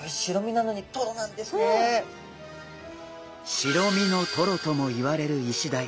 白身のトロとも言われるイシダイ。